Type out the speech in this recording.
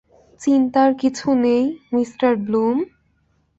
চিন্তার কিছু নেই, মিঃ ব্লুম।